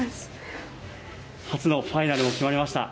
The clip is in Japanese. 初のファイナルも決まりました。